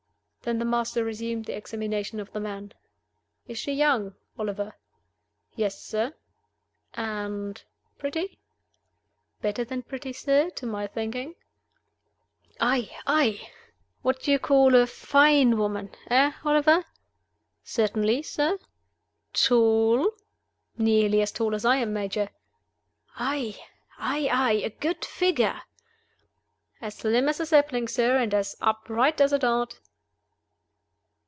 Then the master resumed the examination of the man. "Is she young, Oliver?" "Yes, sir." "And pretty?" "Better than pretty, sir, to my thinking." "Aye? aye? What you call a fine woman eh, Oliver?" "Certainly, sir." "Tall?" "Nearly as tall as I am, Major." "Aye? aye? aye? A good figure?" "As slim as a sapling, sir, and as upright as a dart."